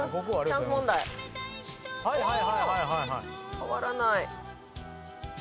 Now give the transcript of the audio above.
変わらない。